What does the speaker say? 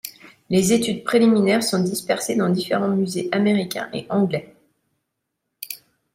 Les études préliminaires sont dispersées dans différents musées américains et anglais.